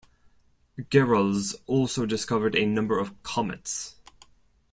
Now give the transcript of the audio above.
Gehrels also discovered a number of comets.